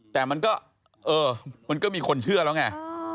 แต่มันก็มีคนเชื่อแล้วไง